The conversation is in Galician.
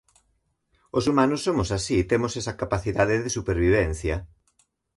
Os humanos somos así, temos esa capacidade de supervivencia.